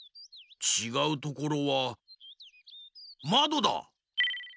ちがうところはまどだ！